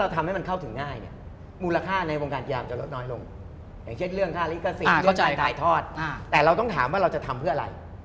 แต่เราต้องถามว่าเราจะทำเพื่ออะไร